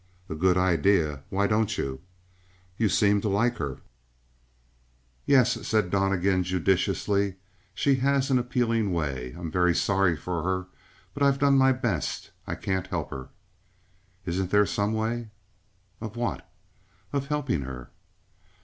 "A good idea. Why don't you?" "You seem to like her?" "Yes," said Donnegan judiciously. "She has an appealing way; I'm very sorry for her. But I've done my best; I can't help her." "Isn't there some way?" "Of what?" "Of helping her."